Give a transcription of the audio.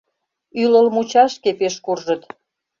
Ӱлыл мучашке пеш куржыт.